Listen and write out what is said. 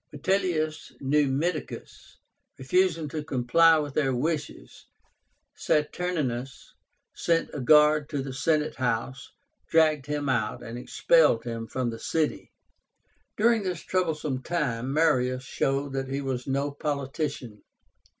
Metellus Numidicus refusing to comply with their wishes, Saturnínus sent a guard to the Senate House, dragged him out, and expelled him from the city. During this troublesome time, Marius showed that he was no politician.